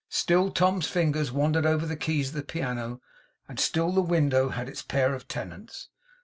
Still Tom's fingers wandered over the keys of the piano, and still the window had its pair of tenants.